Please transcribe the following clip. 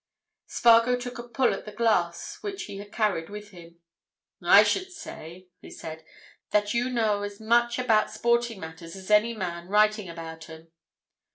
Spargo took a pull at the glass which he had carried with him. "I should say," he said, "that you know as much about sporting matters as any man writing about 'em?"